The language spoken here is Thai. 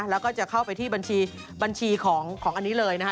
แล้วก็จะเข้าไปที่บัญชีของอันนี้เลยนะฮะ